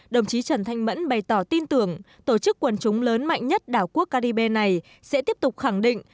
đồng chí trần thanh mẫn bày tỏ tin tưởng tổ chức quần chúng lớn mạnh nhất đảo quốc caribe này sẽ tiếp tục khẳng định